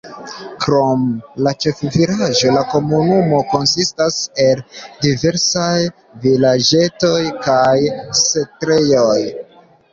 Krom la ĉefvilaĝo la komunumo konsistas el diversaj vilaĝetoj kaj setlejoj.